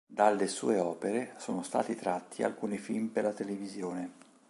Dalle sue opere sono stati tratti alcuni film per la televisione.